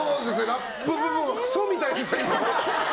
ラップ部分はクソみたいでした。